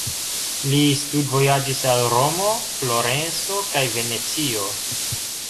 Li studvojaĝis al Romo, Florenco kaj Venecio.